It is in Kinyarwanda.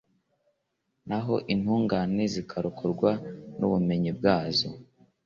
naho intungane zikarokorwa n'ubumenyi bwazo